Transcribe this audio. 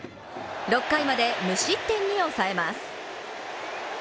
６回まで無失点に抑えます。